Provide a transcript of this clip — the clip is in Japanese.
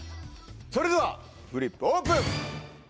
それではフリップオープン。